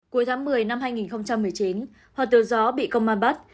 cuối tháng một mươi năm hai nghìn một mươi chín hoàng tử gió bị công an bắt